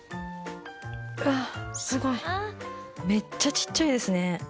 うわすごいめっちゃ小っちゃいですね。